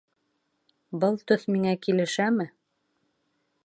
Был төҫ миңә килешәме?